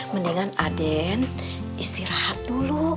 mendingan aden istirahat dulu